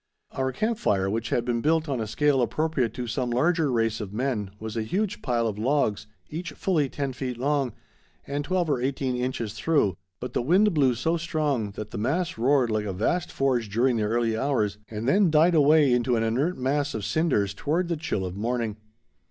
Our camp fire, which had been built on a scale appropriate to some larger race of men, was a huge pile of logs, each fully ten feet long, and twelve or eighteen inches through, but the wind blew so strong that the mass roared like a vast forge during the early hours, and then died away into an inert mass of cinders toward the chill of morning.